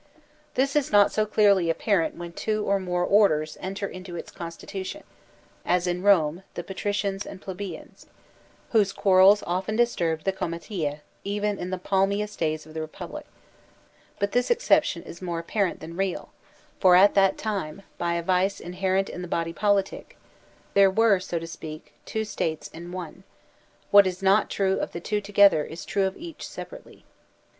This is not so clearly apparent when two or more or ders enter into its constitution, as, in Rome, the patri cians and plebeians, whose quarrels often disturbed the comitiay even in the palmiest days of the Republic; but this exception is more apparent than real, for, at that time, by a vice inherent in the body politic, there were, so to speak, two States in one; what is not true of the two together is true of each separately.